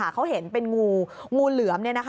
เขาเห็นเป็นงูงูเหลือม